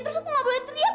terus aku gak boleh teriak